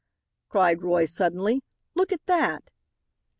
cried Roy, suddenly, "look at that!"